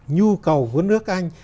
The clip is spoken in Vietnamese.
nhu cầu của nước anh